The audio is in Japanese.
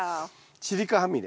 チリカハミネ。